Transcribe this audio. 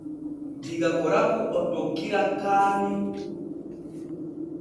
Diga Koraku o tokkira Kaanni.